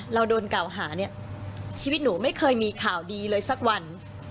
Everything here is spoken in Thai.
เราโดนกล่าวหาเนี่ยชีวิตหนูไม่เคยมีข่าวดีเลยสักวัน